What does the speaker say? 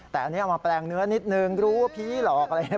แต่นี่เอามาแปลงเนื้อนิดหนึ่งรู้ว่าผีหลอกอะไร